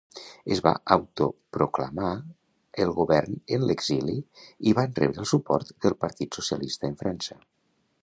Es va autoproclamar el govern en l'exili i van rebre el suport del Partit Socialista en França.